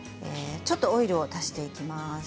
ちょっとオイルを足していきます。